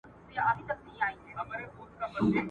مار دي په لستوڼي کي آدم ته ور وستلی دی